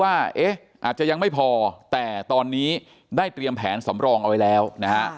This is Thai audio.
ว่าเอ๊ะอาจจะยังไม่พอแต่ตอนนี้ได้เตรียมแผนสำรองเอาไว้แล้วนะฮะ